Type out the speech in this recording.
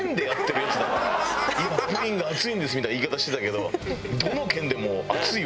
今プリンが熱いんですみたいな言い方してたけど。